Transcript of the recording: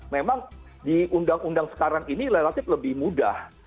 memang di undang undang sekarang ini relatif lebih mudah